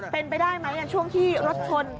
เป็นไปได้ไหมช่วงที่รถชน